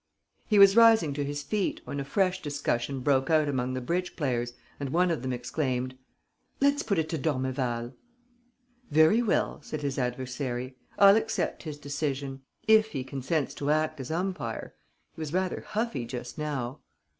He was rising to his feet, when a fresh discussion broke out among the bridge players and one of them exclaimed: "Let's put it to d'Ormeval." "Very well," said his adversary. "I'll accept his decision ... if he consents to act as umpire. He was rather huffy just now."